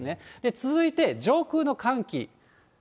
続いて、上空の寒気。